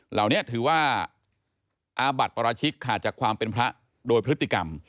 เหล่านี้ถือว่าอาบัติปราชิกขาดจากความเป็นพระโดยพฤติกรรม